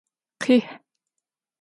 Khih!